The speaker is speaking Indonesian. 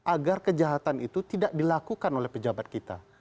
agar kejahatan itu tidak dilakukan oleh pejabat kita